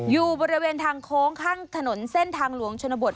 อยู่บริเวณทางโค้งข้างถนนเส้นทางหลวงชนบท